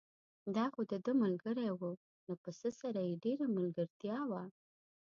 دا خو دده ملګری و، له پسه سره یې ډېره ملګرتیا وه.